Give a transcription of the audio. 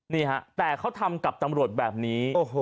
นี่ฮะแต่เขาทำกับตำรวจแบบนี้